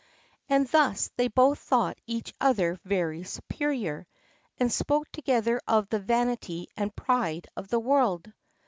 And thus they both thought each other very superior, and spoke together of the vanity and pride of the world.